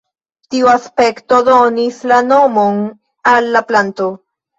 Tiu aspekto donis la nomon al la planto.